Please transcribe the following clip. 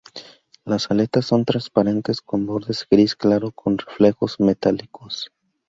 Las aletas son transparentes, con bordes gris claro con reflejos metálicos.